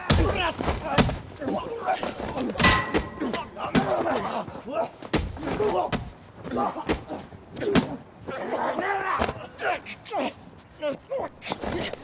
やめろお前！やめろ！